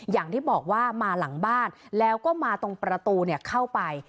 อย่างที่บอกว่ามาหลังบ้านแล้วก็มาตรงประตูเข้าไป